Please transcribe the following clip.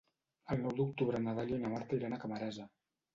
El nou d'octubre na Dàlia i na Marta iran a Camarasa.